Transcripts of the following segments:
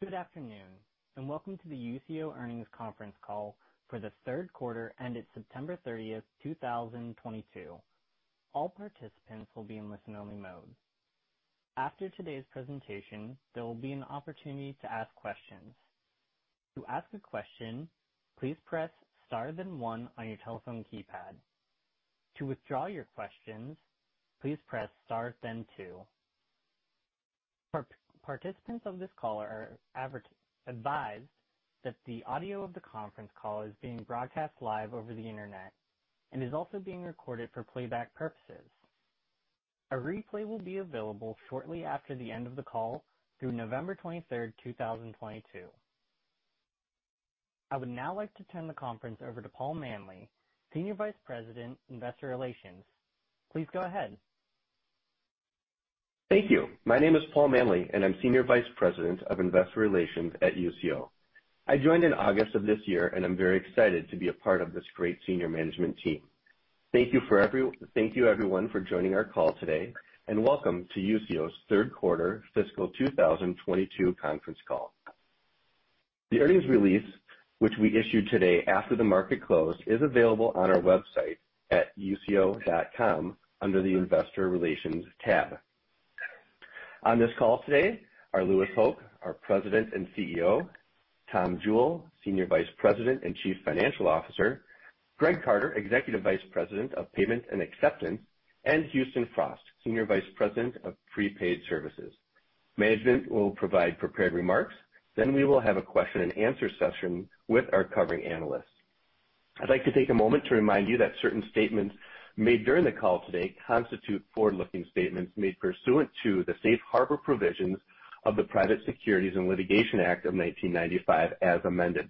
Good afternoon, and welcome to the Usio Earnings Conference Call for the third quarter ended September 30, 2022. All participants will be in listen-only mode. After today's presentation, there will be an opportunity to ask questions. To ask a question, please press star then one on your telephone keypad. To withdraw your questions, please press star then two. Participants of this call are advised that the audio of the conference call is being broadcast live over the Internet and is also being recorded for playback purposes. A replay will be available shortly after the end of the call through November 23, 2022. I would now like to turn the conference over to Paul Manley, Senior Vice President, Investor Relations. Please go ahead. Thank you. My name is Paul Manley, and I'm Senior Vice President of Investor Relations at Usio. I joined in August of this year, and I'm very excited to be a part of this great senior management team. Thank you everyone for joining our call today, and welcome to Usio's third quarter fiscal 2022 conference call. The earnings release, which we issued today after the market closed, is available on our website at usio.com under the Investor Relations tab. On this call today are Louis Hoch, our President and CEO, Tom Jewell, Senior Vice President and Chief Financial Officer, Greg Carter, Executive Vice President of Payment and Acceptance, and Houston Frost, Senior Vice President of Prepaid Services. Management will provide prepared remarks. Then we will have a question-and-answer session with our covering analysts. I'd like to take a moment to remind you that certain statements made during the call today constitute forward-looking statements made pursuant to the Safe Harbor provisions of the Private Securities Litigation Reform Act of 1995, as amended.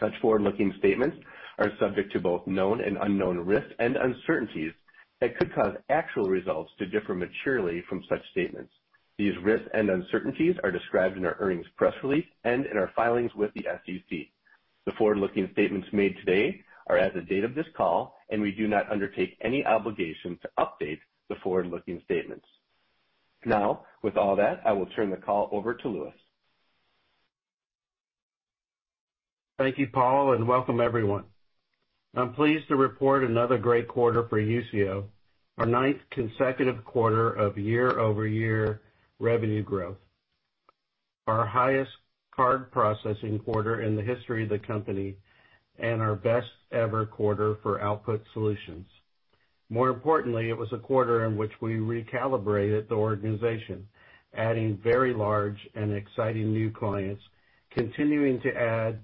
Such forward-looking statements are subject to both known and unknown risks and uncertainties that could cause actual results to differ materially from such statements. These risks and uncertainties are described in our earnings press release and in our filings with the SEC. The forward-looking statements made today are as of the date of this call, and we do not undertake any obligation to update the forward-looking statements. Now, with all that, I will turn the call over to Louis. Thank you, Paul, and welcome everyone. I'm pleased to report another great quarter for Usio, our ninth consecutive quarter of year-over-year revenue growth. Our highest card processing quarter in the history of the company, and our best ever quarter for Output Solutions. More importantly, it was a quarter in which we recalibrated the organization, adding very large and exciting new clients, continuing to add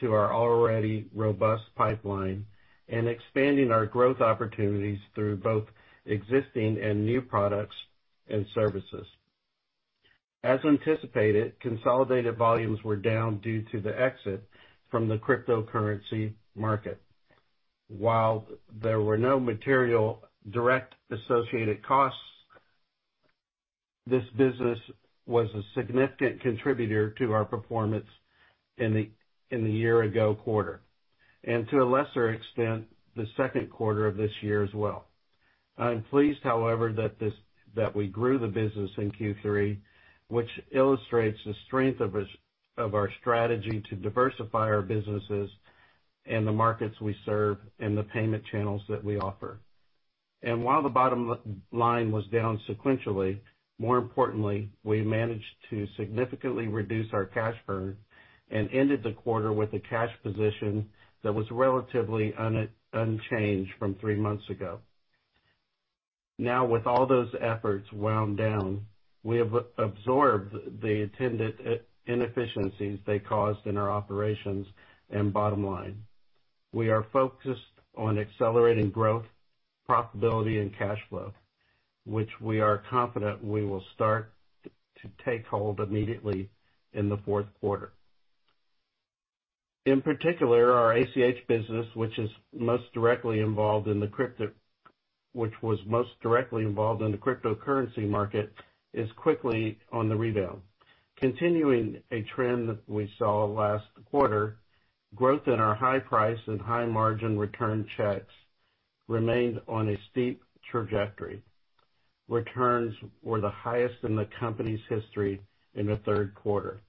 to our already robust pipeline, and expanding our growth opportunities through both existing and new products and services. As anticipated, consolidated volumes were down due to the exit from the cryptocurrency market. While there were no material direct associated costs, this business was a significant contributor to our performance in the year-ago quarter, and to a lesser extent, the second quarter of this year as well. I'm pleased, however, that we grew the business in Q3, which illustrates the strength of our strategy to diversify our businesses and the markets we serve and the payment channels that we offer. While the bottom line was down sequentially, more importantly, we managed to significantly reduce our cash burn and ended the quarter with a cash position that was relatively unchanged from three months ago. Now, with all those efforts wound down, we have absorbed the attendant inefficiencies they caused in our operations and bottom line. We are focused on accelerating growth, profitability, and cash flow, which we are confident we will start to take hold immediately in the fourth quarter. In particular, our ACH business, which was most directly involved in the cryptocurrency market, is quickly on the rebound. Continuing a trend we saw last quarter, growth in our high-price and high-margin return checks remained on a steep trajectory. Returns were the highest in the company's history in the third quarter,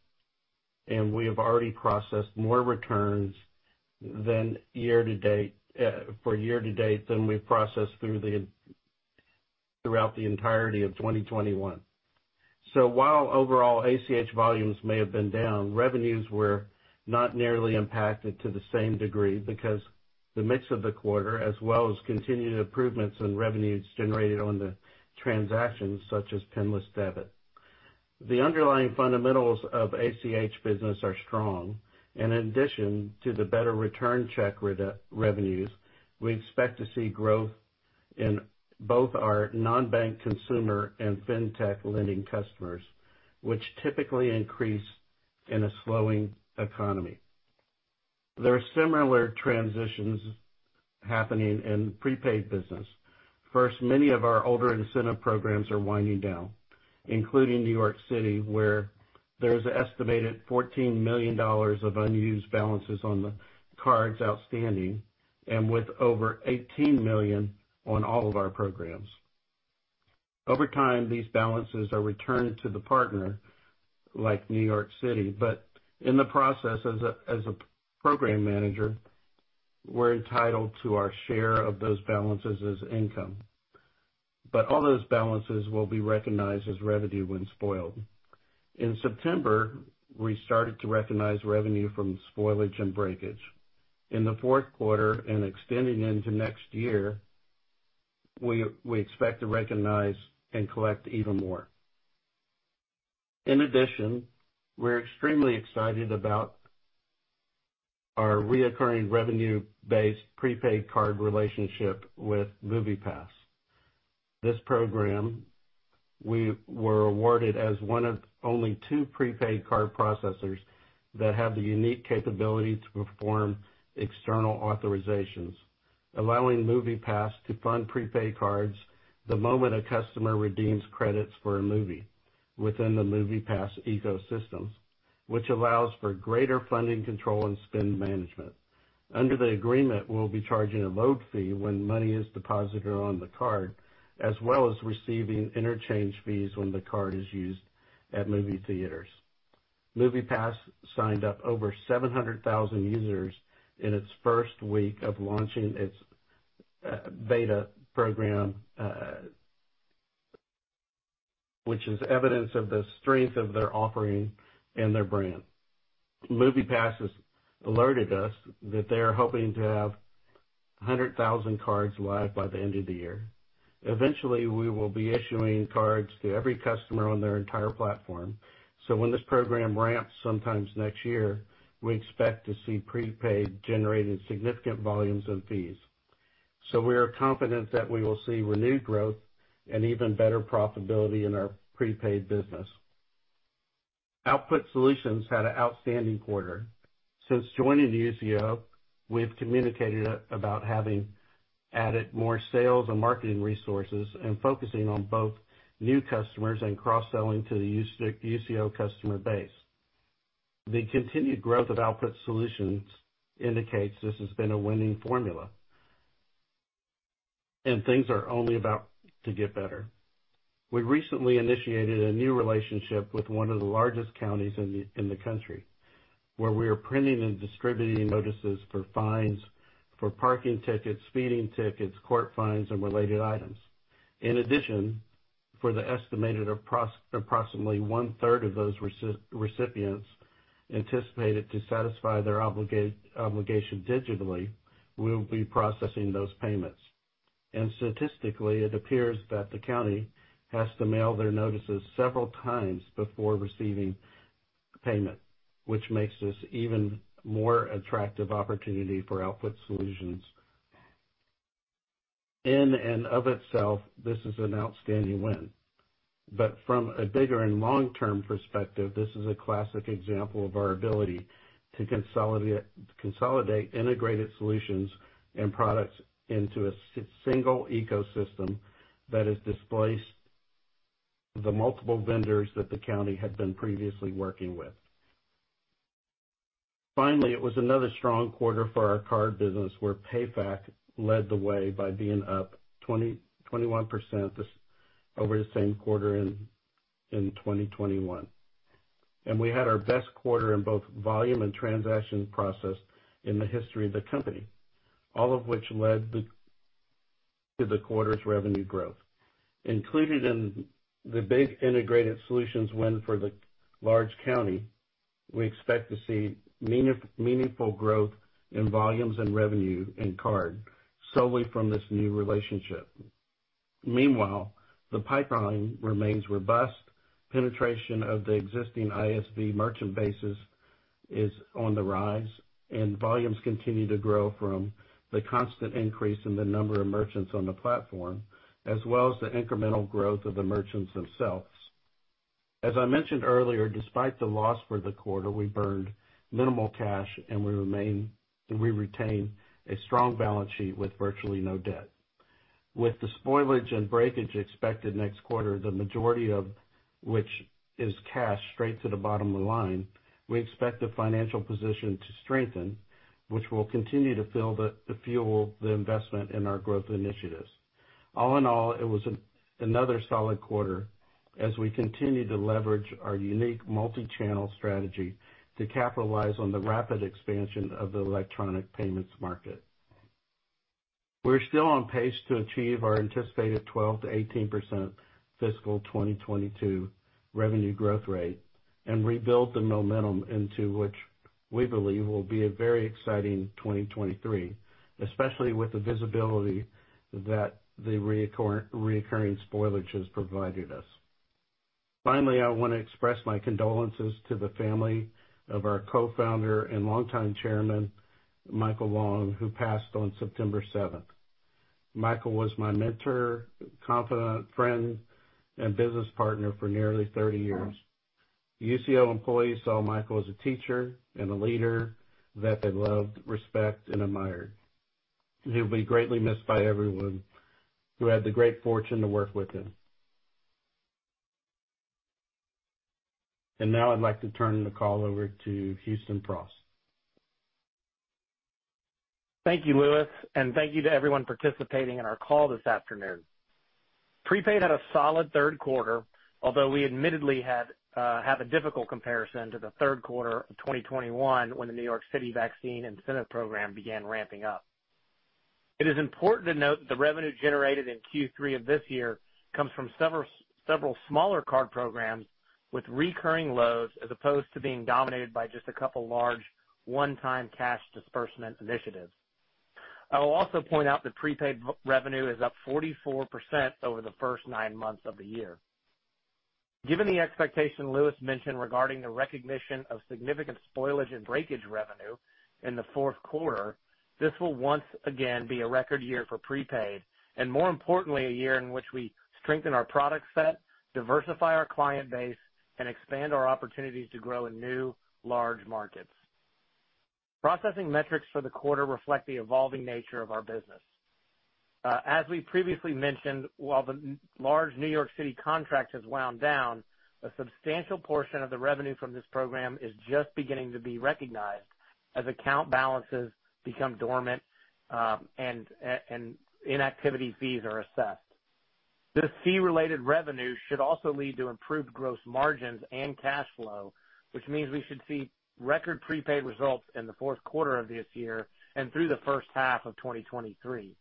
and we have already processed more returns than year-to-date for year-to-date than we've processed throughout the entirety of 2021. While overall ACH volumes may have been down, revenues were not nearly impacted to the same degree because the mix of the quarter, as well as continued improvements in revenues generated on the transactions such as pinless debit. The underlying fundamentals of ACH business are strong, and in addition to the better return check revenues, we expect to see growth in both our non-bank consumer and fintech lending customers, which typically increase in a slowing economy. There are similar transitions happening in prepaid business. First, many of our older incentive programs are winding down, including New York City, where there is an estimated $14 million of unused balances on the cards outstanding and with over $18 million on all of our programs. Over time, these balances are returned to the partner, like New York City, but in the process, as a program manager, we're entitled to our share of those balances as income. All those balances will be recognized as revenue when spoiled. In September, we started to recognize revenue from spoilage and breakage. In the fourth quarter, and extending into next year, we expect to recognize and collect even more. In addition, we're extremely excited about our recurring revenue-based prepaid card relationship with MoviePass. This program, we were awarded as one of only two prepaid card processors that have the unique capability to perform external authorizations, allowing MoviePass to fund prepaid cards the moment a customer redeems credits for a movie within the MoviePass ecosystems, which allows for greater funding control and spend management. Under the agreement, we'll be charging a load fee when money is deposited on the card, as well as receiving interchange fees when the card is used at movie theaters. MoviePass signed up over 700,000 users in its first week of launching its beta program, which is evidence of the strength of their offering and their brand. MoviePass has alerted us that they are hoping to have 100,000 cards live by the end of the year. Eventually, we will be issuing cards to every customer on their entire platform. When this program ramps sometime next year, we expect to see prepaid generating significant volumes of fees. We are confident that we will see renewed growth and even better profitability in our prepaid business. Output Solutions had an outstanding quarter. Since joining Usio, we've communicated about having added more sales and marketing resources and focusing on both new customers and cross-selling to the Usio customer base. The continued growth of Output Solutions indicates this has been a winning formula, and things are only about to get better. We recently initiated a new relationship with one of the largest counties in the country, where we are printing and distributing notices for fines for parking tickets, speeding tickets, court fines, and related items. In addition, for the estimated approximately one-third of those recipients anticipated to satisfy their obligation digitally, we'll be processing those payments. Statistically, it appears that the county has to mail their notices several times before receiving payment, which makes this even more attractive opportunity for Output Solutions. In and of itself, this is an outstanding win. From a bigger and long-term perspective, this is a classic example of our ability to consolidate integrated solutions and products into a single ecosystem that has displaced the multiple vendors that the county had been previously working with. Finally, it was another strong quarter for our card business, where PayFac led the way by being up 21% over the same quarter in 2021. We had our best quarter in both volume and transaction processing in the history of the company, all of which led to the quarter's revenue growth. Included in the big integrated solutions win for the large county, we expect to see meaningful growth in volumes and revenue in card solely from this new relationship. Meanwhile, the pipeline remains robust, penetration of the existing ISV merchant bases is on the rise, and volumes continue to grow from the constant increase in the number of merchants on the platform, as well as the incremental growth of the merchants themselves. As I mentioned earlier, despite the loss for the quarter, we burned minimal cash, and we retain a strong balance sheet with virtually no debt. With the spoilage and breakage expected next quarter, the majority of which is cash straight to the bottom of the line, we expect the financial position to strengthen, which will continue to fuel the investment in our growth initiatives. All in all, it was another solid quarter as we continue to leverage our unique multi-channel strategy to capitalize on the rapid expansion of the electronic payments market. We're still on pace to achieve our anticipated 12%-18% fiscal 2022 revenue growth rate and rebuild the momentum into which we believe will be a very exciting 2023, especially with the visibility that the recurring spoilage has provided us. Finally, I wanna express my condolences to the family of our co-founder and longtime chairman, Michael Long, who passed on September seventh. Michael was my mentor, confidant, friend, and business partner for nearly 30 years. Usio employees saw Michael as a teacher and a leader that they loved, respect, and admired. He'll be greatly missed by everyone who had the great fortune to work with him. Now I'd like to turn the call over to Houston Frost. Thank you, Louis, and thank you to everyone participating in our call this afternoon. Prepaid had a solid third quarter, although we admittedly have a difficult comparison to the third quarter of 2021 when the New York City vaccine incentive program began ramping up. It is important to note that the revenue generated in Q3 of this year comes from several smaller card programs with recurring loads, as opposed to being dominated by just a couple large one-time cash disbursement initiatives. I will also point out that prepaid revenue is up 44% over the first nine months of the year. Given the expectation Louis mentioned regarding the recognition of significant spoilage and breakage revenue in the fourth quarter, this will once again be a record year for prepaid and, more importantly, a year in which we strengthen our product set, diversify our client base, and expand our opportunities to grow in new large markets. Processing metrics for the quarter reflect the evolving nature of our business. As we previously mentioned, while the large New York City contract has wound down, a substantial portion of the revenue from this program is just beginning to be recognized as account balances become dormant, and inactivity fees are assessed. This fee-related revenue should also lead to improved gross margins and cash flow, which means we should see record prepaid results in the fourth quarter of this year and through the first half of 2023,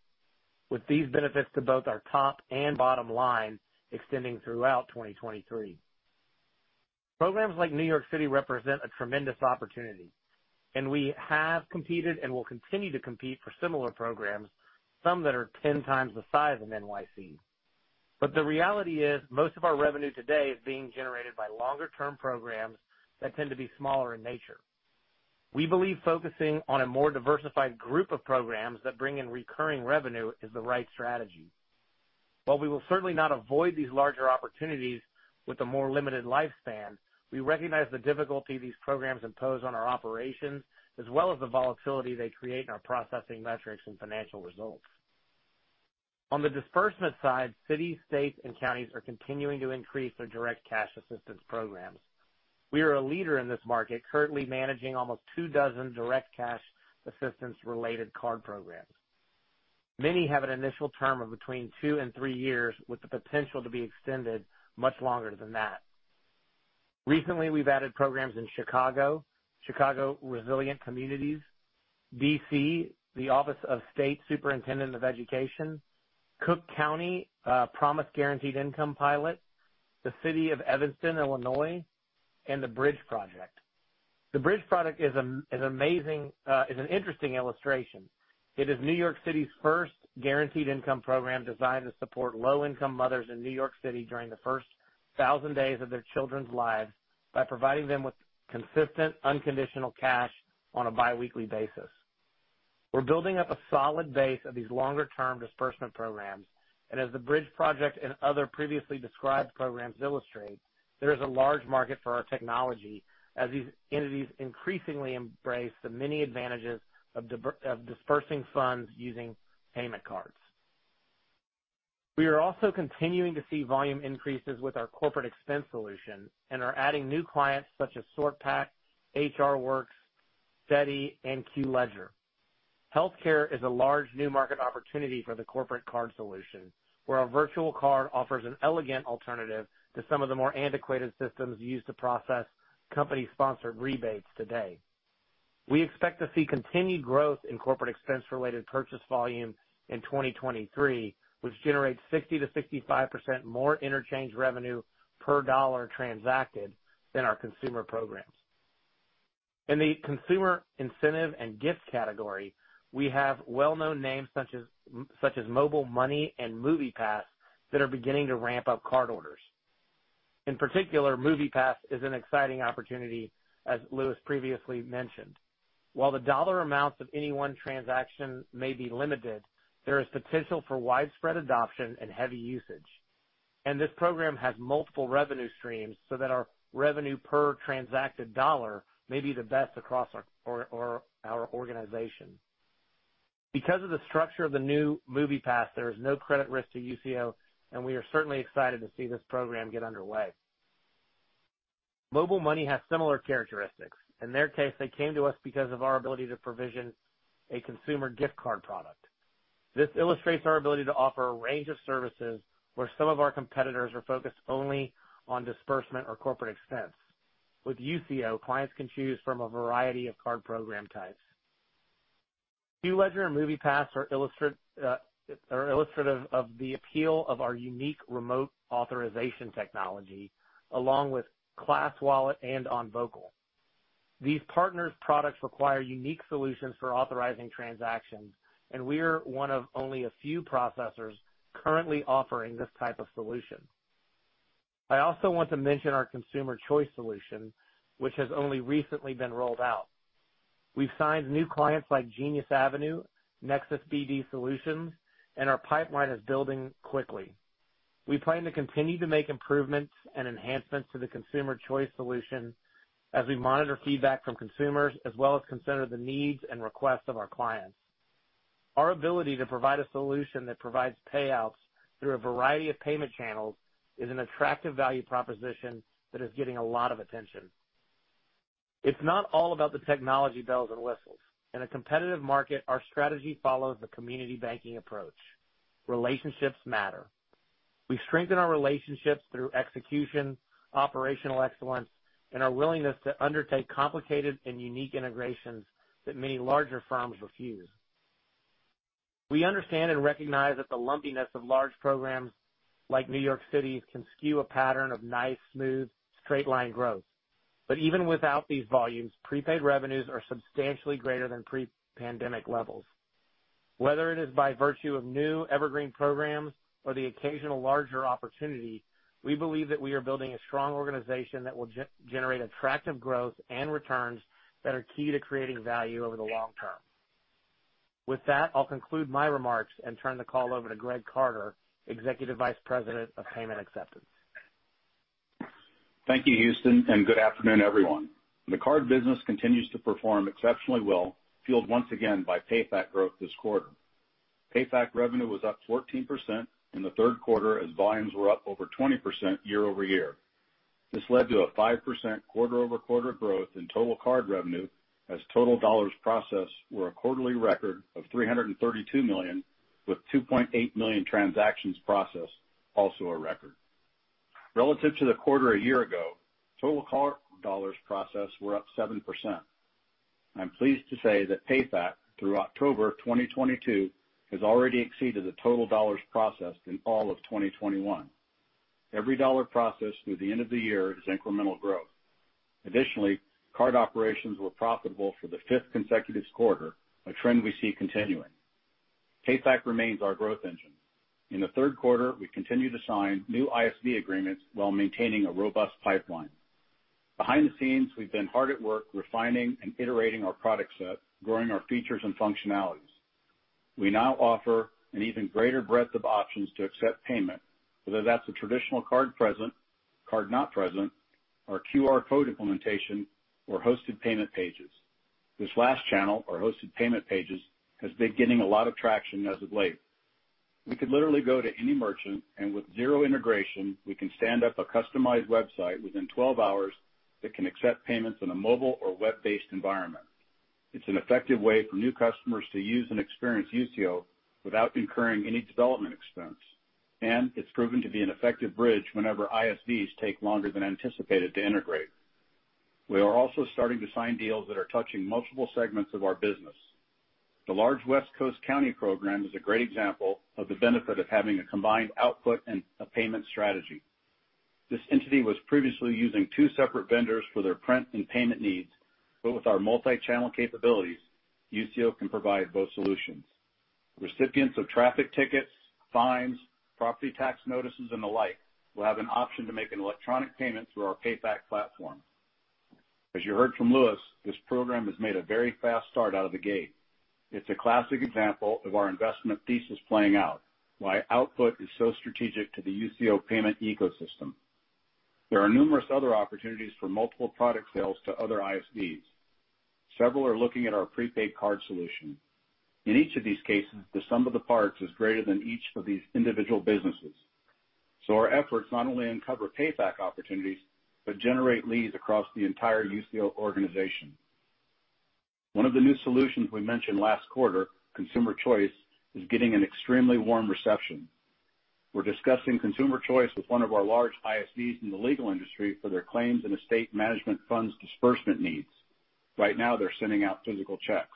with these benefits to both our top and bottom line extending throughout 2023. Programs like New York City represent a tremendous opportunity, and we have competed and will continue to compete for similar programs, some that are 10 times the size of N.Y.C. The reality is most of our revenue today is being generated by longer-term programs that tend to be smaller in nature. We believe focusing on a more diversified group of programs that bring in recurring revenue is the right strategy. While we will certainly not avoid these larger opportunities with a more limited lifespan, we recognize the difficulty these programs impose on our operations, as well as the volatility they create in our processing metrics and financial results. On the disbursement side, cities, states, and counties are continuing to increase their direct cash assistance programs. We are a leader in this market, currently managing almost two dozen direct cash assistance-related card programs. Many have an initial term of between two and three years, with the potential to be extended much longer than that. Recently, we've added programs in Chicago Resilient Communities, D.C., the Office of the State Superintendent of Education, Cook County Promise Guaranteed Income Pilot, the city of Evanston, Illinois, and the Bridge Project. The BRIDGE Project is an interesting illustration. It is New York City's first guaranteed income program designed to support low-income mothers in New York City during the first thousand days of their children's lives by providing them with consistent, unconditional cash on a biweekly basis. We're building up a solid base of these longer-term disbursement programs, and as The BRIDGE Project and other previously described programs illustrate, there is a large market for our technology as these entities increasingly embrace the many advantages of disbursing funds using payment cards. We are also continuing to see volume increases with our corporate expense solution and are adding new clients such as SortPak, HR Works, SETI, and Q Ledger. Healthcare is a large new market opportunity for the corporate card solution, where our virtual card offers an elegant alternative to some of the more antiquated systems used to process company-sponsored rebates today. We expect to see continued growth in corporate expense-related purchase volume in 2023, which generates 60%-65% more interchange revenue per dollar transacted than our consumer programs. In the consumer incentive and gift category, we have well-known names such as MobileMoney and MoviePass that are beginning to ramp up card orders. In particular, MoviePass is an exciting opportunity, as Louis previously mentioned. While the dollar amounts of any one transaction may be limited, there is potential for widespread adoption and heavy usage, and this program has multiple revenue streams so that our revenue per transacted dollar may be the best across our organization. Because of the structure of the new MoviePass, there is no credit risk to Usio, and we are certainly excited to see this program get underway. MobileMoney has similar characteristics. In their case, they came to us because of our ability to provision a consumer gift card product. This illustrates our ability to offer a range of services where some of our competitors are focused only on disbursement or corporate expense. With Usio, clients can choose from a variety of card program types. Q Ledger and MoviePass are illustrative of the appeal of our unique remote authorization technology, along with ClassWallet and ONvocal. These partners' products require unique solutions for authorizing transactions, and we're one of only a few processors currently offering this type of solution. I also want to mention our Consumer Choice solution, which has only recently been rolled out. We've signed new clients like Genius Avenue, NexusBD Solutions, and our pipeline is building quickly. We plan to continue to make improvements and enhancements to the Consumer Choice solution as we monitor feedback from consumers, as well as consider the needs and requests of our clients. Our ability to provide a solution that provides payouts through a variety of payment channels is an attractive value proposition that is getting a lot of attention. It's not all about the technology bells and whistles. In a competitive market, our strategy follows the community banking approach. Relationships matter. We strengthen our relationships through execution, operational excellence, and our willingness to undertake complicated and unique integrations that many larger firms refuse. We understand and recognize that the lumpiness of large programs like New York City's can skew a pattern of nice, smooth, straight line growth. Even without these volumes, prepaid revenues are substantially greater than pre-pandemic levels. Whether it is by virtue of new evergreen programs or the occasional larger opportunity, we believe that we are building a strong organization that will generate attractive growth and returns that are key to creating value over the long term. With that, I'll conclude my remarks and turn the call over to Greg Carter, Executive Vice President of Payment and Acceptance. Thank you, Houston, and good afternoon, everyone. The card business continues to perform exceptionally well, fueled once again by PayFac growth this quarter. PayFac revenue was up 14% in the third quarter as volumes were up over 20% year-over-year. This led to a 5% quarter-over-quarter growth in total card revenue as total dollars processed were a quarterly record of $332 million with 2.8 million transactions processed, also a record. Relative to the quarter a year ago, total card-dollars processed were up 7%. I'm pleased to say that PayFac, through October 2022, has already exceeded the total dollars processed in all of 2021. Every dollar processed through the end of the year is incremental growth. Additionally, card operations were profitable for the fifth consecutive quarter, a trend we see continuing. PayFac remains our growth engine. In the third quarter, we continued to sign new ISV agreements while maintaining a robust pipeline. Behind the scenes, we've been hard at work refining and iterating our product set, growing our features and functionalities. We now offer an even greater breadth of options to accept payment, whether that's a traditional card present, card not present, or QR code implementation or hosted payment pages. This last channel, our hosted payment pages, has been getting a lot of traction as of late. We could literally go to any merchant, and with zero integration, we can stand up a customized website within 12 hours that can accept payments in a mobile or web-based environment. It's an effective way for new customers to use and experience Usio without incurring any development expense, and it's proven to be an effective bridge whenever ISVs take longer than anticipated to integrate. We are also starting to sign deals that are touching multiple segments of our business. The large West Coast county program is a great example of the benefit of having a combined output and a payment strategy. This entity was previously using two separate vendors for their print and payment needs, but with our multi-channel capabilities, Usio can provide both solutions. Recipients of traffic tickets, fines, property tax notices, and the like will have an option to make an electronic payment through our PayFac platform. As you heard from Louis, this program has made a very fast start out of the gate. It's a classic example of our investment thesis playing out, why output is so strategic to the Usio payment ecosystem. There are numerous other opportunities for multiple product sales to other ISVs. Several are looking at our prepaid card solution. In each of these cases, the sum of the parts is greater than each of these individual businesses. Our efforts not only uncover PayFac opportunities but generate leads across the entire Usio organization. One of the new solutions we mentioned last quarter, Consumer Choice, is getting an extremely warm reception. We're discussing Consumer Choice with one of our large ISVs in the legal industry for their claims and estate management funds disbursement needs. Right now they're sending out physical checks.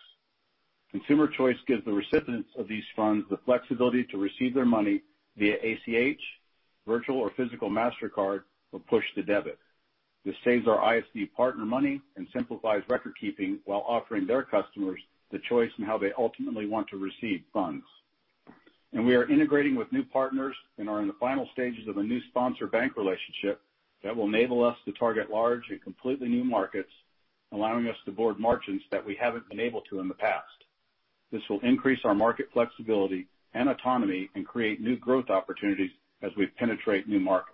Consumer Choice gives the recipients of these funds the flexibility to receive their money via ACH, virtual or physical Mastercard, or push to debit. This saves our ISV partner money and simplifies record keeping while offering their customers the choice in how they ultimately want to receive funds. We are integrating with new partners and are in the final stages of a new sponsor bank relationship that will enable us to target large and completely new markets, allowing us to board merchants that we haven't been able to in the past. This will increase our market flexibility and autonomy and create new growth opportunities as we penetrate new markets.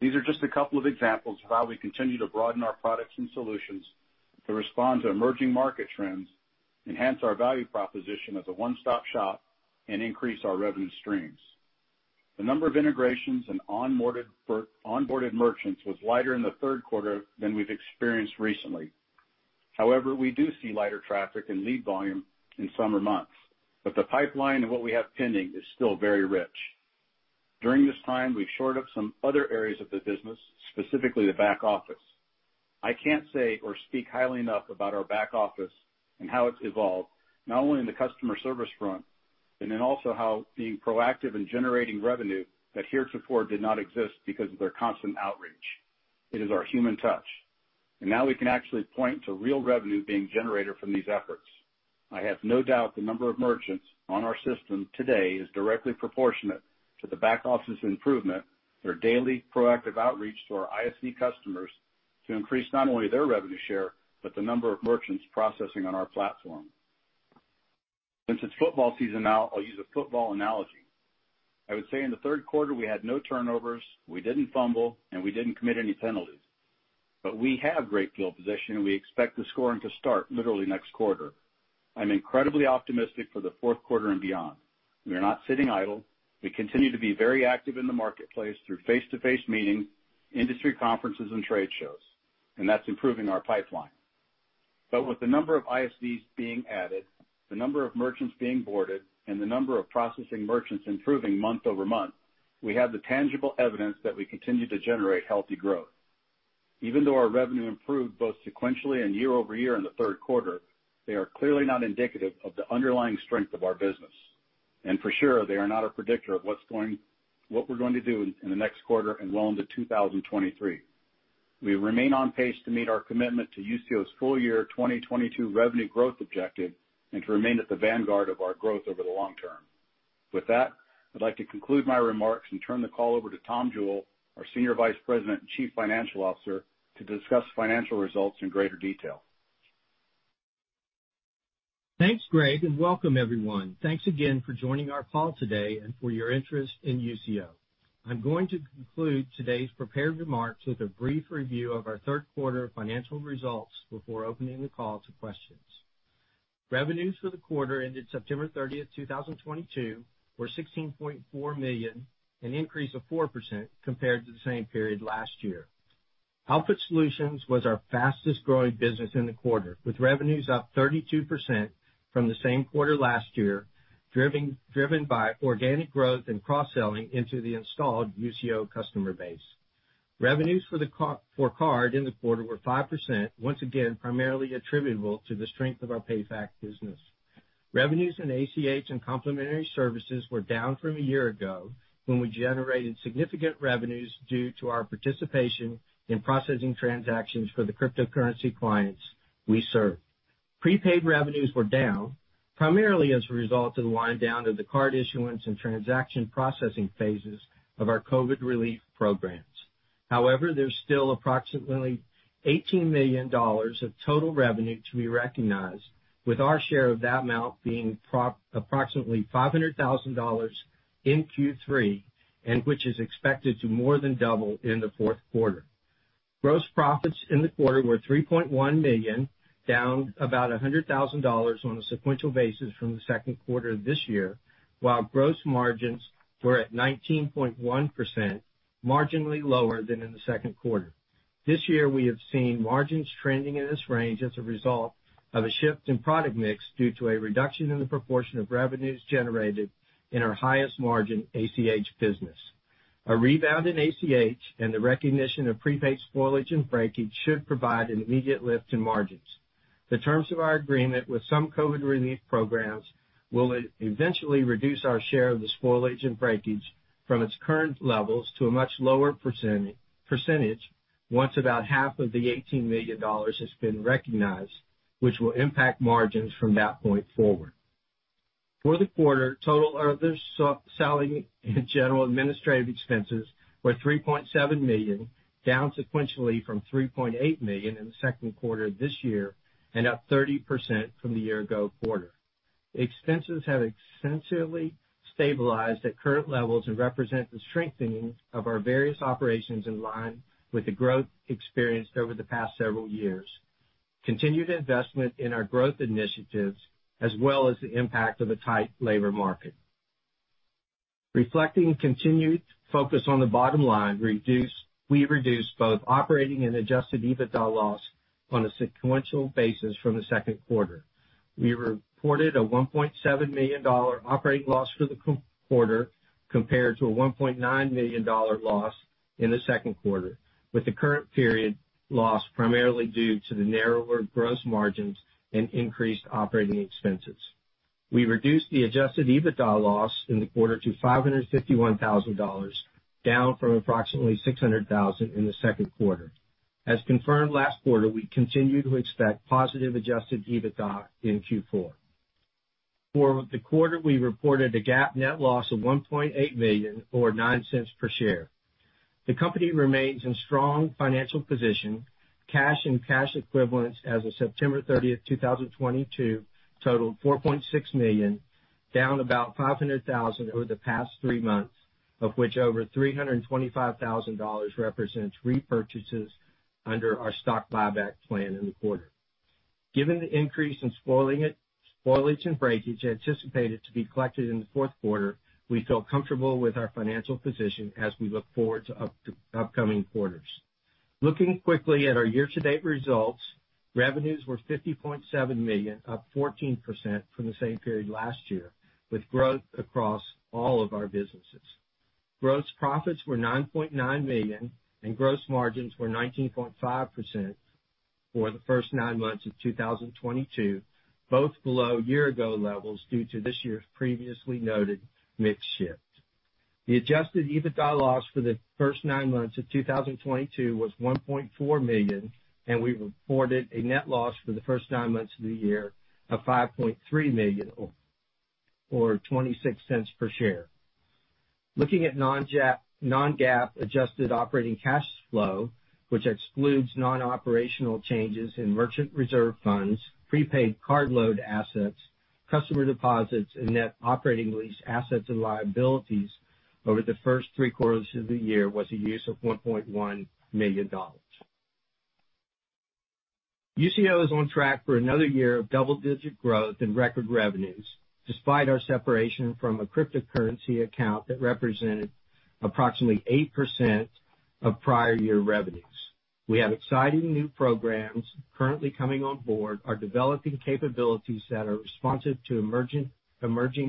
These are just a couple of examples of how we continue to broaden our products and solutions to respond to emerging market trends, enhance our value proposition as a one-stop shop, and increase our revenue streams. The number of integrations and onboarded merchants was lighter in the third quarter than we've experienced recently. However, we do see lighter traffic and lead volume in summer months, but the pipeline of what we have pending is still very rich. During this time, we've shored up some other areas of the business, specifically the back office. I can't say or speak highly enough about our back office and how it's evolved, not only in the customer service front, and then also how being proactive in generating revenue that heretofore did not exist because of their constant outreach. It is our human touch, and now we can actually point to real revenue being generated from these efforts. I have no doubt the number of merchants on our system today is directly proportionate to the back office's improvement, their daily proactive outreach to our ISV customers to increase not only their revenue share, but the number of merchants processing on our platform. Since it's football season now, I'll use a football analogy. I would say in the third quarter, we had no turnovers, we didn't fumble, and we didn't commit any penalties. We have great field position, and we expect the scoring to start literally next quarter. I'm incredibly optimistic for the fourth quarter and beyond. We are not sitting idle. We continue to be very active in the marketplace through face-to-face meetings, industry conferences, and trade shows, and that's improving our pipeline. With the number of ISVs being added, the number of merchants being boarded, and the number of processing merchants improving month-over-month, we have the tangible evidence that we continue to generate healthy growth. Even though our revenue improved both sequentially and year-over-year in the third quarter, they are clearly not indicative of the underlying strength of our business. For sure, they are not a predictor of what we're going to do in the next quarter and well into 2023. We remain on pace to meet our commitment to Usio's full year 2022 revenue growth objective and to remain at the vanguard of our growth over the long term. With that, I'd like to conclude my remarks and turn the call over to Tom Jewell, our Senior Vice President and Chief Financial Officer, to discuss financial results in greater detail. Thanks, Greg, and welcome everyone. Thanks again for joining our call today and for your interest in Usio. I'm going to conclude today's prepared remarks with a brief review of our third quarter financial results before opening the call to questions. Revenues for the quarter ended September 30, 2022, were $16.4 million, an increase of 4% compared to the same period last year. Output Solutions was our fastest-growing business in the quarter, with revenues up 32% from the same quarter last year, driven by organic growth and cross-selling into the installed Usio customer base. Revenues for the card in the quarter were 5%, once again, primarily attributable to the strength of our PayFac business. Revenues in ACH and complementary services were down from a year ago, when we generated significant revenues due to our participation in processing transactions for the cryptocurrency clients we serve. Prepaid revenues were down, primarily as a result of the wind down of the card issuance and transaction processing phases of our COVID relief programs. However, there's still approximately $18 million of total revenue to be recognized, with our share of that amount being approximately $500,000 in Q3, and which is expected to more than double in the fourth quarter. Gross profits in the quarter were $3.1 million, down about $100,000 on a sequential basis from the second quarter of this year, while gross margins were at 19.1%, marginally lower than in the second quarter. This year, we have seen margins trending in this range as a result of a shift in product mix due to a reduction in the proportion of revenues generated in our highest margin ACH business. A rebound in ACH and the recognition of prepaid spoilage and breakage should provide an immediate lift in margins. The terms of our agreement with some COVID relief programs will eventually reduce our share of the spoilage and breakage from its current levels to a much lower percentage once about half of the $18 million has been recognized, which will impact margins from that point forward. For the quarter, total other selling and general administrative expenses were $3.7 million, down sequentially from $3.8 million in the second quarter of this year and up 30% from the year-ago quarter. Expenses have extensively stabilized at current levels and represent the strengthening of our various operations in line with the growth experienced over the past several years, continued investment in our growth initiatives, as well as the impact of a tight labor market. Reflecting continued focus on the bottom line, we reduced both operating and Adjusted EBITDA loss on a sequential basis from the second quarter. We reported a $1.7 million operating loss for the quarter compared to a $1.9 million loss in the second quarter, with the current period loss primarily due to the narrower gross margins and increased operating expenses. We reduced the Adjusted EBITDA loss in the quarter to $551,000, down from approximately $600,000 in the second quarter. As confirmed last quarter, we continue to expect positive Adjusted EBITDA in Q4. For the quarter, we reported a GAAP net loss of $1.8 million or $0.09 per share. The company remains in strong financial position. Cash and cash equivalents as of September 30th, 2022 totaled $4.6 million, down about $500,000 over the past three months, of which over $325,000 represents repurchases under our stock buyback plan in the quarter. Given the increase in spoilage and breakage anticipated to be collected in the fourth quarter, we feel comfortable with our financial position as we look forward to upcoming quarters. Looking quickly at our year-to-date results, revenues were $50.7 million, up 14% from the same period last year, with growth across all of our businesses. Gross profits were $9.9 million, and gross margins were 19.5% for the first nine months of 2022, both below year-ago levels due to this year's previously noted mix shift. The Adjusted EBITDA loss for the first nine months of 2022 was $1.4 million, and we reported a net loss for the first nine months of the year of $5.3 million or $0.26 per share. Looking at non-GAAP adjusted operating cash flow, which excludes non-operational changes in merchant reserve funds, prepaid card load assets, customer deposits and net operating lease assets and liabilities over the first three quarters of the year was a use of $1.1 million. Usio is on track for another year of double-digit growth in record revenues, despite our separation from a cryptocurrency account that represented approximately 8% of prior year revenues. We have exciting new programs currently coming on board, are developing capabilities that are responsive to emerging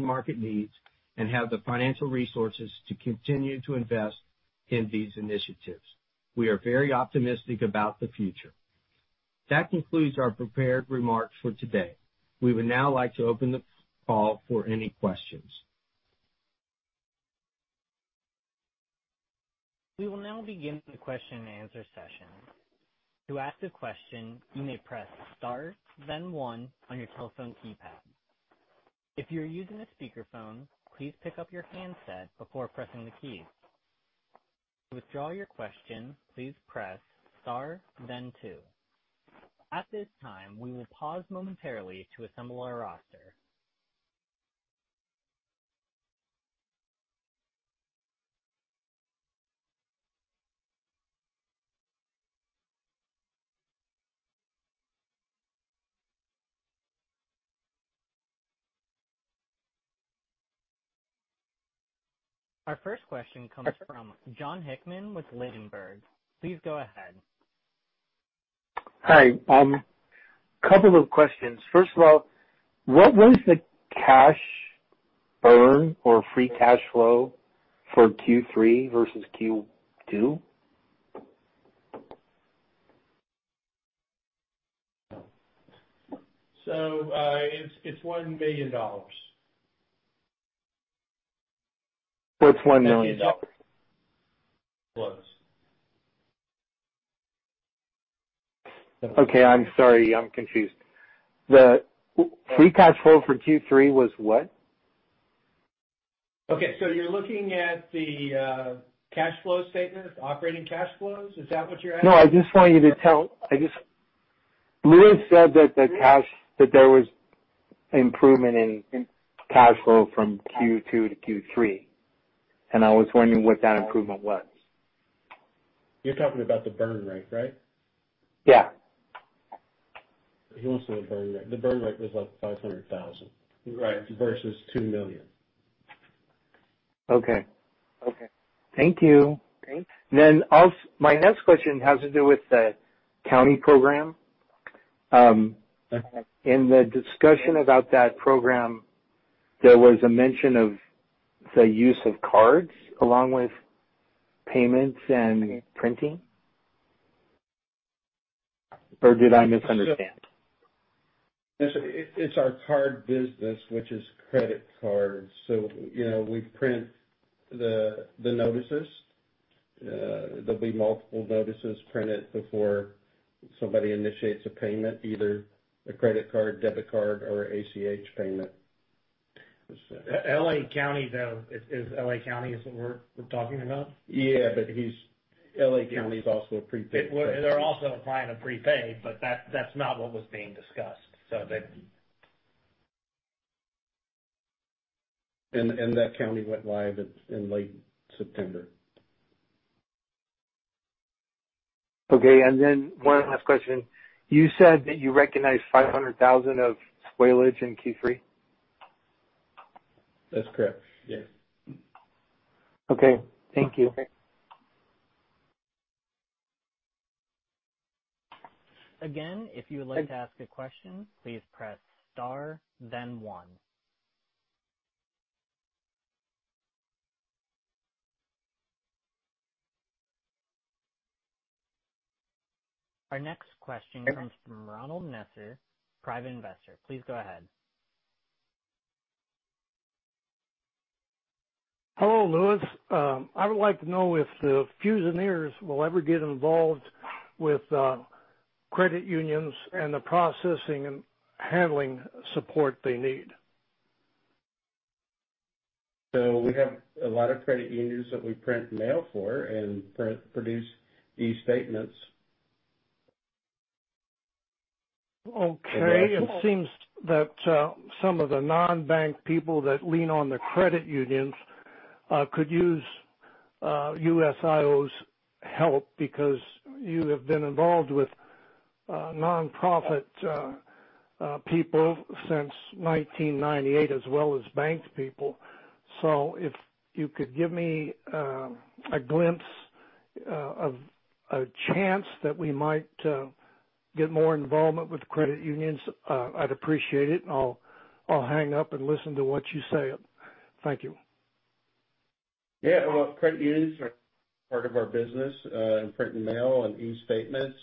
market needs, and have the financial resources to continue to invest in these initiatives. We are very optimistic about the future. That concludes our prepared remarks for today. We would now like to open the call for any questions. We will now begin the question and answer session. To ask a question, you may press Star, then one on your telephone keypad. If you're using a speakerphone, please pick up your handset before pressing the key. To withdraw your question, please press star then two. At this time, we will pause momentarily to assemble our roster. Our first question comes from Jon Hickman with Ladenburg. Please go ahead. Hi. Couple of questions. First of all, what was the cash burn or free cash flow for Q3 versus Q2? It's $1 million. It's $1 million. Close. Okay. I'm sorry, I'm confused. The free cash flow for Q3 was what? Okay, you're looking at the cash flow statement, operating cash flows. Is that what you're asking? No, Louis said that the cash, that there was improvement in cash flow from Q2 to Q3, and I was wondering what that improvement was. You're talking about the burn rate, right? Yeah. He wants to know the burn rate. The burn rate was, like, $500,000. Right. Versus $2 million. Okay. Okay. Thank you. Okay. My next question has to do with the county program. Okay. In the discussion about that program, there was a mention of the use of cards along with payments and printing. Did I misunderstand? Yes, it's our card business, which is credit cards. You know, we print the notices. There'll be multiple notices printed before somebody initiates a payment, either a credit card, debit card or ACH payment. L.A. County, though. Is L.A. County what we're talking about? L.A. County is also a prepaid. They're also applying a prepaid, but that's not what was being discussed, so they- That county went live in late September. Okay. One last question. You said that you recognized $500,000 of spoilage in Q3? That's correct. Yes. Okay. Thank you. Again, if you would like to ask a question, please press star then one. Our next question comes from Ronald Messer, Private Investor. Please go ahead. Hello, Louis. I would like to know if the Usio will ever get involved with credit unions and the processing and handling support they need? We have a lot of credit unions that we print and mail for and produce e-statements. Okay. It seems that some of the non-bank people that lean on the credit unions could use Usio's help because you have been involved with nonprofit people since 1998, as well as bank people. If you could give me a glimpse of a chance that we might get more involvement with credit unions, I'd appreciate it, and I'll hang up and listen to what you say. Thank you. Yeah. Well, credit unions are part of our business in print and mail and e-statements.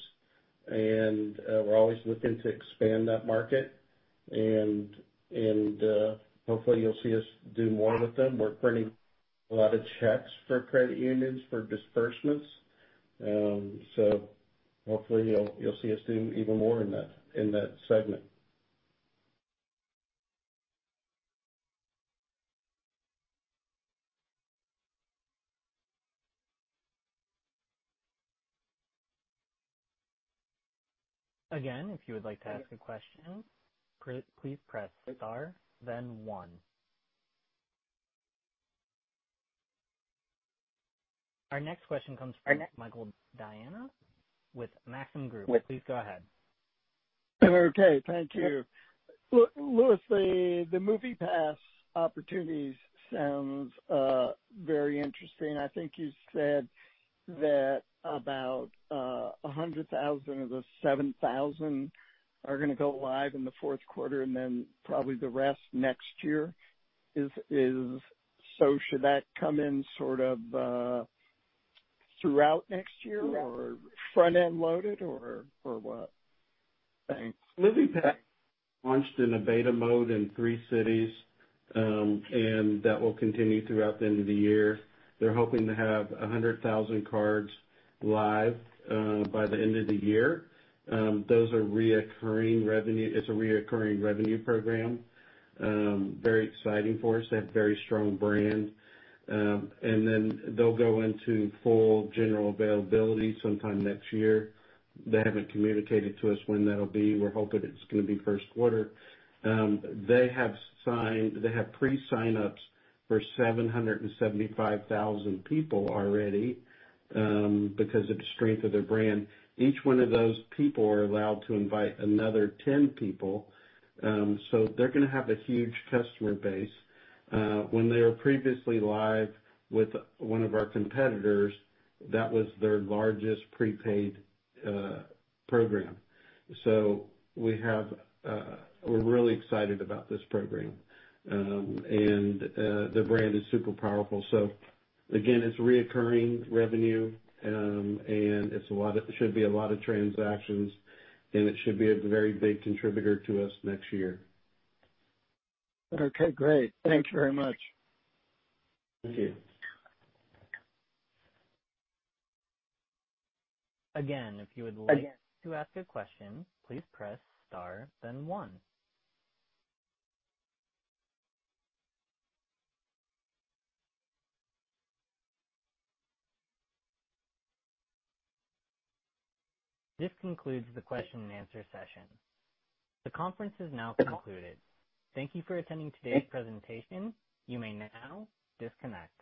We're always looking to expand that market. Hopefully you'll see us do more with them. We're printing a lot of checks for credit unions for disbursements. Hopefully you'll see us do even more in that segment. Again, if you would like to ask a question, please press star then one. Our next question comes from Michael Diana with Maxim Group. Please go ahead. Okay, thank you. Louis, the MoviePass opportunities sounds very interesting. I think you said that about 100,000 of the 7,000 are gonna go live in the fourth quarter, and then probably the rest next year. Should that come in sort of throughout next year or front-end loaded or what? Thanks. MoviePass launched in a beta mode in three cities. That will continue throughout the end of the year. They're hoping to have 100,000 cards live by the end of the year. Those are recurring revenue. It's a recurring revenue program. Very exciting for us. They have very strong brand. They'll go into full general availability sometime next year. They haven't communicated to us when that'll be. We're hoping it's gonna be first quarter. They have pre-signups for 775,000 people already because of the strength of their brand. Each one of those people are allowed to invite another 10 people. They're gonna have a huge customer base. When they were previously live with one of our competitors, that was their largest prepaid program. We're really excited about this program. The brand is super powerful. Again, it's recurring revenue, and it's a lot of transactions, and it should be a very big contributor to us next year. Okay, great. Thank you very much. Thank you. Again, if you would like to ask a question, please press star then one. This concludes the question-and-answer session. The conference is now concluded. Thank you for attending today's presentation. You may now disconnect.